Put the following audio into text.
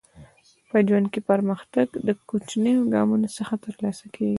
په ژوند کې پرمختګ د کوچنیو ګامونو څخه ترلاسه کیږي.